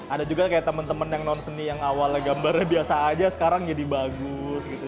ada juga kayak temen temen yang non seni yang awalnya gambarnya biasa aja sekarang jadi bagus gitu